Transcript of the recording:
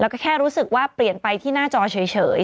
แล้วก็แค่รู้สึกว่าเปลี่ยนไปที่หน้าจอเฉย